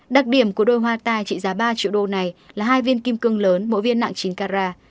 đặc điểm của đôi hoa tai trị giá ba triệu đô này là hai viên kim cương lớn mỗi viên nặng chín carat